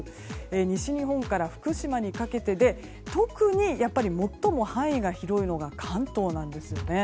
西日本から福島にかけて特に、最も範囲が広いのが関東なんですよね。